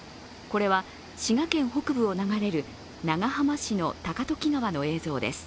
これは滋賀県北部を流れる長浜市の高時川の映像です。